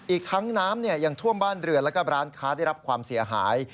อีกทั้งน้ำยังท่วมบ้านเรือนแล้วก็ร้านค้าได้รับความเสียหาย